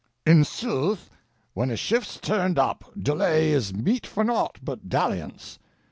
In sooth, when a shift's turned up, delay is meet for naught but dalliance.